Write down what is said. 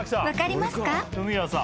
分かりますか？